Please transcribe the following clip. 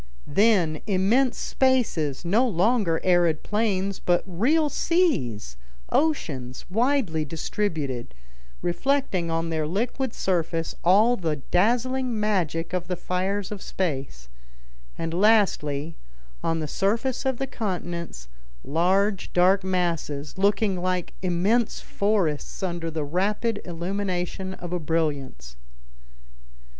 Then immense spaces, no longer arid plains, but real seas, oceans, widely distributed, reflecting on their liquid surface all the dazzling magic of the fires of space; and, lastly, on the surface of the continents, large dark masses, looking like immense forests under the rapid illumination of a brilliance.